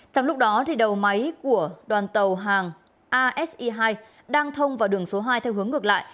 trong lúc đó đầu máy của đoàn tàu hàng ase hai đang thông vào đường số hai theo hướng ngược lại